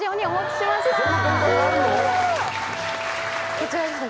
こちらですね。